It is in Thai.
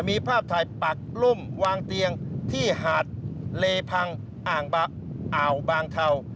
มีภาพถ่ายปักล่มวางเตียงที่หาดเลพังอ่าวบางเทา